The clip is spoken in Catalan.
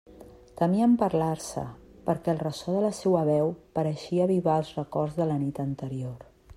Temien parlar-se, perquè el ressò de la seua veu pareixia avivar els records de la nit anterior.